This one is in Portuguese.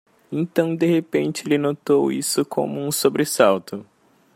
Então, de repente, ele notou isso com um sobressalto.